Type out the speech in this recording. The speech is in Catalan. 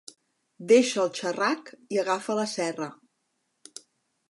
Deixa el xerrac i agafa la serra.